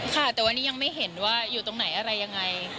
ค่ะแต่วันนี้ยังไม่เห็นว่าอยู่ตรงไหนอะไรยังไง